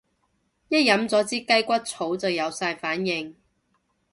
一飲咗支雞骨草就有晒反應